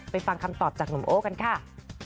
ฟังคำตอบจากหนุ่มโอ้กันค่ะ